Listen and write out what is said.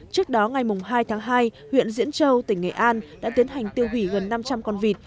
trước đó ngày hai tháng hai huyện diễn châu tỉnh nghệ an đã tiến hành tiêu hủy gần năm trăm linh con vịt